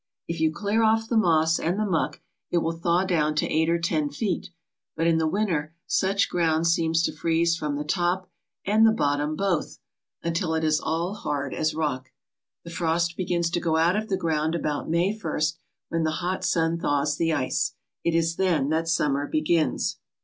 If you clear off the moss and the muck it will thaw down to eight or ten feet, but in the winter such ground seems to freeze from 'the top and the bottom both until it is all 125 ALASKA OUR NORTHERN WONDERLAND hard as rock. The frost begins to go out of the ground about May ist when the hot sun thaws the ice. It is then that summer begins."